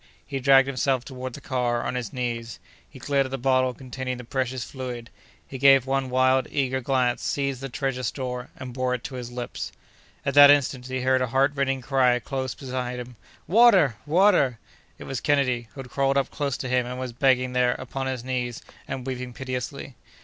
He dragged himself toward the car, on his knees; he glared at the bottle containing the precious fluid; he gave one wild, eager glance, seized the treasured store, and bore it to his lips. At that instant he heard a heart rending cry close beside him—"Water! water!" It was Kennedy, who had crawled up close to him, and was begging there, upon his knees, and weeping piteously.